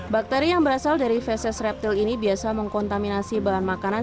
bakteri yang berasal dari fesis reptil ini biasa mengkontaminasi bahan makanan